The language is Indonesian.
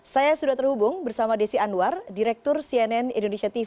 saya sudah terhubung bersama desi anwar direktur cnn indonesia tv